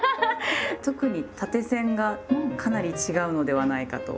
特に縦線がかなり違うのではないかと。